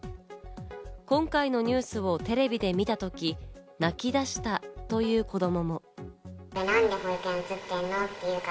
今回のニュースをテレビで見たとき、泣き出したという子供も。